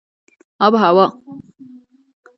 آب وهوا د افغانستان په اوږده تاریخ کې ذکر شوی دی.